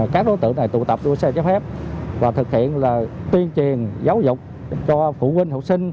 các đối tượng này tụ tập đua xe trái phép và thực hiện tuyên truyền giáo dục cho phụ huynh học sinh